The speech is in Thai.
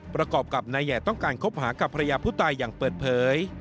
ประกอบกับนายแห่ต้องการคบหากับภรรยาผู้ตายอย่างเปิดเผย